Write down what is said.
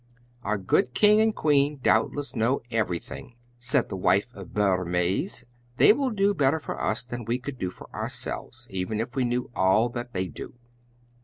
"Our good King and Queen doubtless know everything," said the wife of Boer Maes. "They will do better for us than we could do for ourselves, even if we knew all that they do."